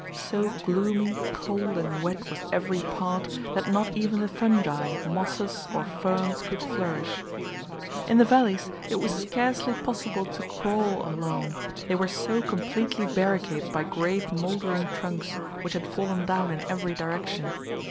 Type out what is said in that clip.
So gloomy, cold, and wet was every part, that not even the fungi, mosses, or ferns could flourish. In the valleys it was scarcely possible to crawl along, they were so completely barricaded by great mouldering trunks, which had fallen down in every direction.